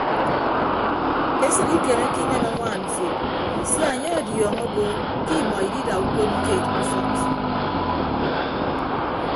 Esịd ikemeke inem añwaan mfo sia anye ọdiọñọ obo ke imọ idida ukod keed ke ufọk mfo.